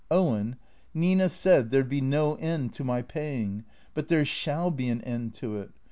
" Owen — Nina said there 'd be no end to my paying. But there shall be an end to it.